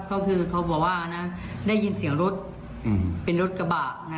ก็คือเขาบอกว่าได้ยินเสียงรถเป็นรถกระบะ